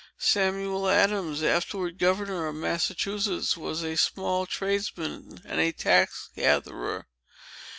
Samuel Adams, afterward governor of Massachusetts, was a small tradesman and a tax gatherer.